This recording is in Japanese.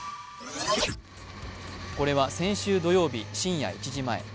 これは先週土曜日深夜１時前。